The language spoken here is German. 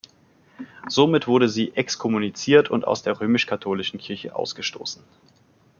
Somit wurde sie exkommuniziert und aus der römisch-katholischen Kirche ausgestoßen.